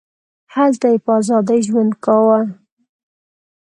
هلته یې په ازادۍ ژوند کاوه.